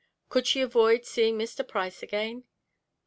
Could she avoid seeing Mr. Price again?